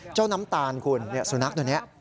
น้ำตาลคุณสุนัขตัวนี้